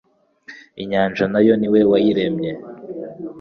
«Inyanja na yo ni we wayiremye'».